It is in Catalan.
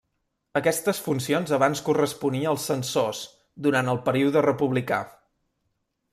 Aquestes funcions abans corresponia als censors, durant el període republicà.